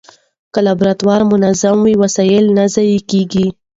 که لابراتوار منظم وي، وسایل نه ضایع کېږي.